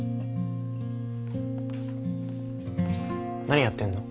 何やってんの？